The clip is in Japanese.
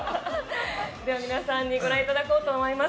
では、皆さんに見ていただこうと思います。